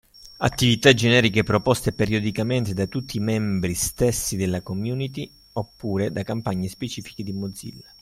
Attività generiche proposte periodicamente da tutti i membri stessi della community oppure da campagne specifiche di Mozilla.